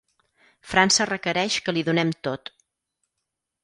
França requereix que li donem tot.